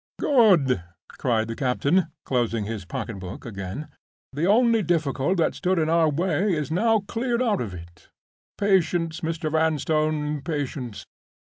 "Good!" cried the captain, closing his pocketbook again. "The only difficulty that stood in our way is now cleared out of it. Patience, Mr. Vanstone—patience!